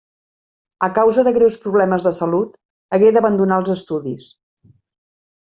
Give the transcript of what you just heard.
A causa de greus problemes de salut, hagué d'abandonar els estudis.